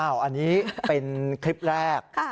อันนี้เป็นคลิปแรก